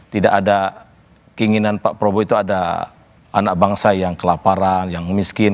tidak ada keinginan pak prabowo itu ada anak bangsa yang kelaparan yang miskin